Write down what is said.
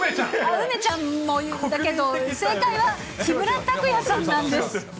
梅ちゃんも有名だけど、正解は木村拓哉さんなんです。